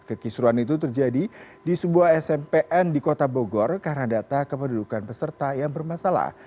kekisruan itu terjadi di sebuah smpn di kota bogor karena data kependudukan peserta yang bermasalah